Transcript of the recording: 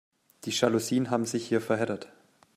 Die Jalousien haben sich hier verheddert.